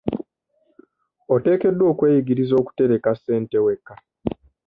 Oteekeddwa okweyigiriza okutereka ssente wekka.